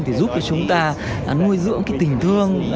thì giúp cho chúng ta nuôi dưỡng cái tình thương